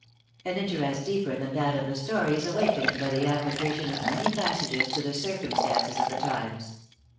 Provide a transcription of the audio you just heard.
An interest deeper than that of the story is awakened by the application of many passages to the circumstances of the times.